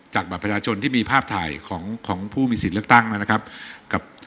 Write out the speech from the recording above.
บัตรประชาชนที่มีภาพถ่ายของของผู้มีสิทธิ์เลือกตั้งนะครับกับ